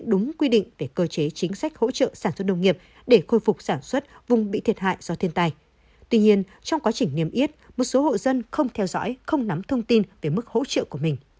tuy nhiên trong quá trình niêm yết một số hộ dân không theo dõi không nắm thông tin về mức hỗ trợ của mình